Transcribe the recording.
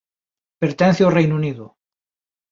Pertence ao Reino Unido.